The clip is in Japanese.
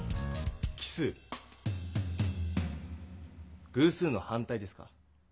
奇数？偶数の反対ですか。